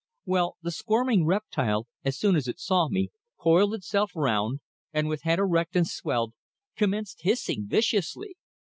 Well, the squirming reptile, as soon as it saw me, coiled itself round, and with head erect and swelled, commenced hissing viciously.